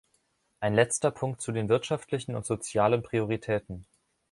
Ein letzter Punkt zu den wirtschaftlichen und sozialen Prioritäten.